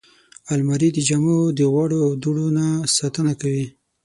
الماري د جامو د غوړو او دوړو نه ساتنه کوي